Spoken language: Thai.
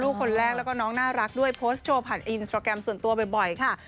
คนแรกแล้วก็น้องน่ารักด้วยโพสต์โชว์ผ่านอินสตราแกรมส่วนตัวบ่อยค่ะ